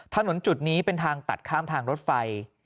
ถนนจุดนี้เป็นทางตัดข้ามทางรถไฟ